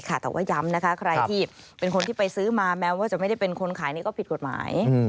แต่ว่าย้ำนะคะใครที่เป็นคนที่ไปซื้อมาแม้ว่าจะไม่ได้เป็นคนขายนี่ก็ผิดกฎหมาย